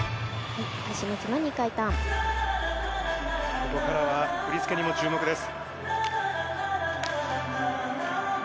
ここからは振り付けにも注目です。